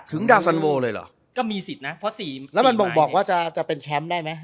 ดาวฟันโวเลยเหรอก็มีสิทธิ์นะเพราะสี่แล้วมันบ่งบอกว่าจะจะเป็นแชมป์ได้ไหม